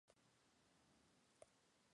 Acabaría perdiendo ambos.